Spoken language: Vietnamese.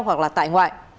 hoặc là tại ngoại